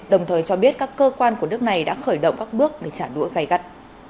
đồng thời cho biết các cơ quan của nước này đã khởi động các bước để trả đũa gây gắt